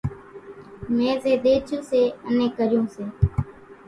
مين زين ۮيڇون سي انين ڪريون سي۔